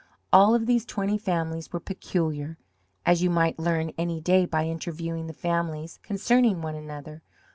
All of these twenty families were peculiar, as you might learn any day by interviewing the families concerning one another.